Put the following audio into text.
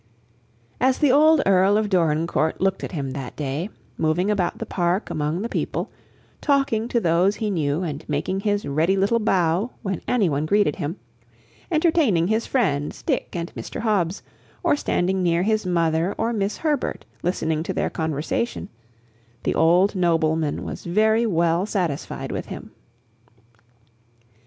As the old Earl of Dorincourt looked at him that day, moving about the park among the people, talking to those he knew and making his ready little bow when any one greeted him, entertaining his friends Dick and Mr. Hobbs, or standing near his mother or Miss Herbert listening to their conversation, the old nobleman was very well satisfied with him.